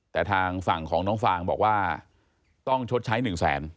แต่ทางฝั่งของน้องฟางบอกว่าต้องชดใช้๑๐๐๐๐๐บาท